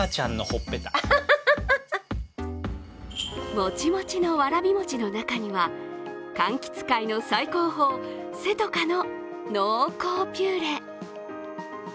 もちもちのわらび餅の中には柑橘界の最高峰・せとかの濃厚ピューレ。